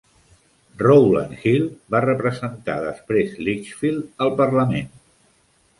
Rowland Hill va representar després Lichfield al Parlament.